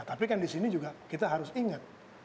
tapi kan disini juga kita harus ingat